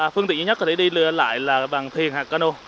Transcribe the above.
phương tiện duy nhất có thể đi lại là bằng thiền hạt cano